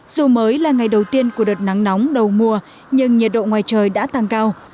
dù mới là ngày đầu tiên của đợt nắng nóng đầu mùa nhưng nhiệt độ ngoài trời đã tăng cao